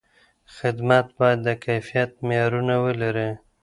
خدمت باید د کیفیت معیارونه ولري.